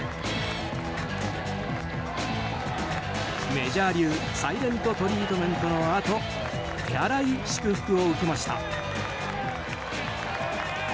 メジャー流、サイレント・トリートメントのあと手荒い祝福を受けました。